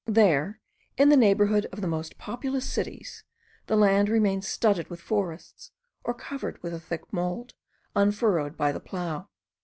There, in the neighbourhood of the most populous cities, the land remains studded with forests, or covered with a thick mould, unfurrowed by the plough.